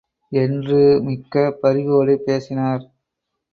என்று மிக்க பரிவோடு பேசினார்.